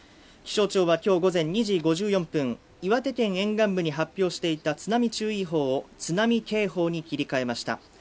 気象庁は今日午前２時５４分岩手県沿岸部に発表していた津波注意報を津波警報に切り替えました